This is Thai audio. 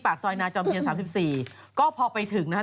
ผ่าไทยก็เหมือนกัน